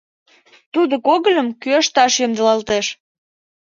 Тудо когыльым кӱэшташ ямдылалтеш.